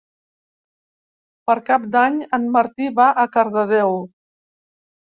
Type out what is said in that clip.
Per Cap d'Any en Martí va a Cardedeu.